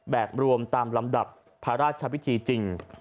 แบบรวมตามลำดับพระราชพิธีจริง